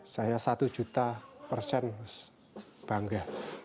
saya satu juta persen bangga